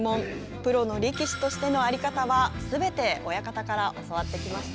プロの力士としての在り方はすべて親方から教わってきました。